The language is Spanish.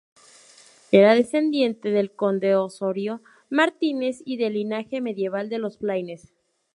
Era descendiente del conde Osorio Martínez y del linaje medieval de los Flaínez.